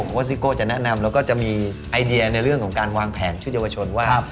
เพราะว่าซิโก้จะแนะนำแล้วก็จะมีไอเดียในเรื่องของการวางแผนชุดเยาวชนว่า